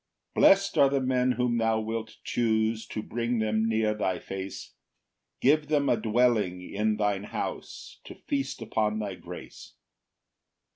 3 Bless'd are the men whom thou wilt choose To bring them near thy face, Give them a dwelling in thine house To feast upon thy grace.